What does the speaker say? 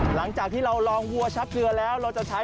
หลังจากที่เราลองบัวชักเกลือแล้ว